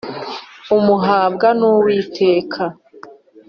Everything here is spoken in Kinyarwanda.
umuhabwa n’uwiteka